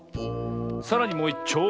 さらにもういっちょう。